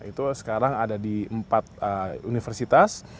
itu sekarang ada di empat universitas